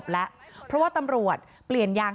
แล้วเดี๋ยวเล่าความคลิปกันก่อน